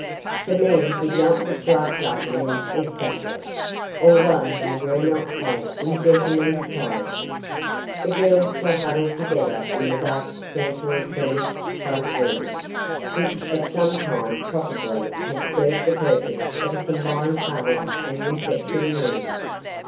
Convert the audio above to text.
The men did not look like ruffians exactly, although they were not clad in "gentlemen's clothes." The girls were huddled together in the dark scantily furnished front room, which at some time probably had served the purpose of a combined parlor and reception room.